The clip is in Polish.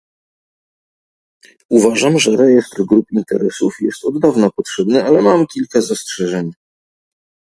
Uważam, że rejestr grup interesów jest od dawna potrzebny, ale mam kilka zastrzeżeń